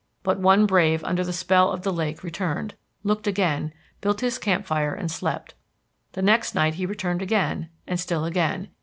But one brave under the spell of the lake returned, looked again, built his camp fire and slept. The next night he returned again, and still again.